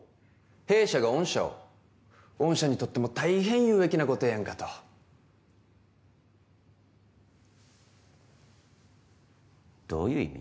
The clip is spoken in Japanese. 弊社が御社を御社にとっても大変有益なご提案かとどういう意味？